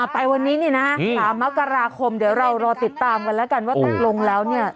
ไปวันนี้นี่นะ๓มกราคมเดี๋ยวเรารอติดตามกันแล้วกันว่าตกลงแล้วเนี่ย